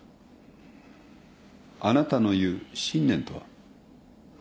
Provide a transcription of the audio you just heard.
あなたのいう信念とは。